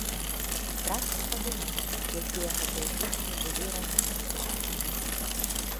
Страшна падумаць, якія гэтыя песні былі раней.